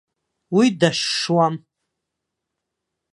Уи дашшуам.